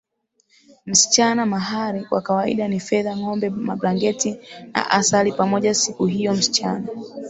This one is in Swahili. msichana Mahari kwa kawaida ni fedha ngombe mablanketi na asali pamoja Siku hiyo msichana